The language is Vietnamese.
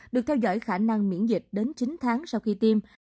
được theo dõi khả năng miễn dịch đến chín tháng sau khi tiêm